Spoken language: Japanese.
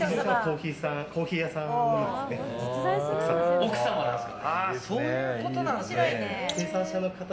奥様なんですか。